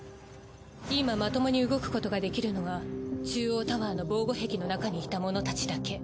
今まともに動くことができるのは中央タワーの防護壁の中にいた者たちだけ。